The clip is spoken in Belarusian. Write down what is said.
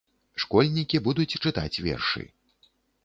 Школьнікі будуць чытаць вершы.